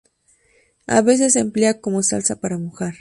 A veces se emplea como salsa para mojar.